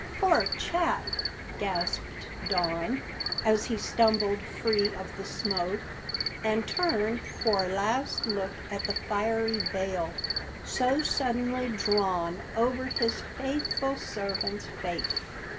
"Poor chap!" gasped Don, as he stumbled free of the smoke and turned for a last look at the fiery veil so suddenly drawn over his faithful servant's fate.